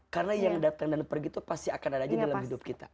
karena yang datang dan pergi itu pasti akan ada aja dalam hidup kita